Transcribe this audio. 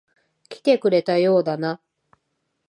来てくれたようだな。